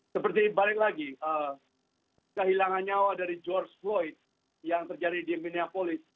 seperti balik lagi kehilangan nyawa dari george floyd yang terjadi di minneapolis